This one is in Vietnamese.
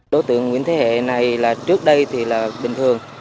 đối tưởng nguyễn thế hệ này trước đây thì bình thường